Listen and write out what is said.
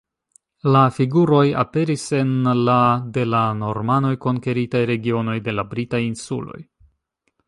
La figuroj aperis en la de la Normanoj konkeritaj regionoj de la Britaj Insuloj.